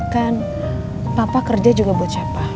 kan papa kerja juga buat siapa